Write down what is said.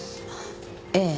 ええ。